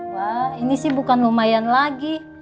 wah ini sih bukan lumayan lagi